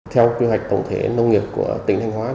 theo quy hoạch tổng thể nông nghiệp của tỉnh thanh hóa